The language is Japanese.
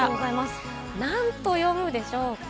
何と読むでしょうか？